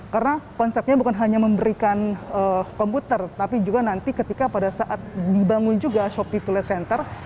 karena konsepnya bukan hanya memberikan komputer tapi juga nanti ketika pada saat dibangun juga shopee village center